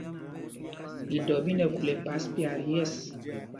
Idɔ ɓí nɛ khul ɛpas pyat yɛ̂ɛs.